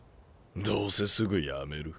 どうせすぐやめる。